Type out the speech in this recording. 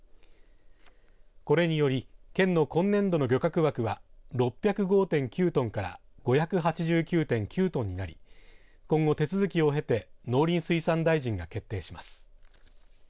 これにより県の今年度の漁獲枠は６０５．９トンから５８９．９トンになり今後、手続きを経て農林水産大臣が決定します。